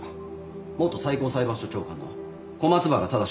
元最高裁判所長官の小松原忠司。